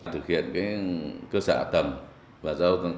thực hiện cái cơ sở hạ tầng